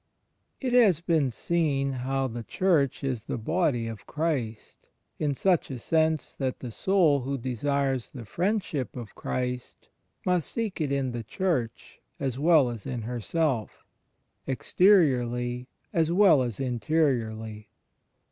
It has been seen how the Church is the Body of Christ, in such a sense that the soul who desires the Friendship of Christ must seek it in the Church as well as in her self — exteriorly as well as interiorly.